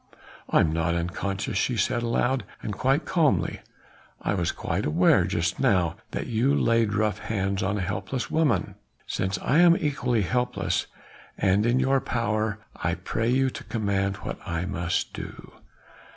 "I am not unconscious," she said aloud and quite calmly, "and was quite aware just now that you laid rough hands on a helpless woman. Since I am equally helpless and in your power I pray you to command what I must do."